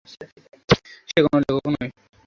সে কোন লেখক নয়।